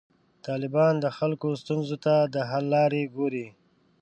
طالبان د خلکو ستونزو ته د حل لارې ګوري.